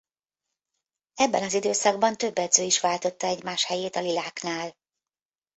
Ebben az időszakban több edző is váltotta egymás helyét a liláknál.